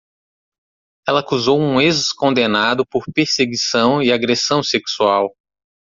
Ela acusou um ex-condenado por perseguição e agressão sexual.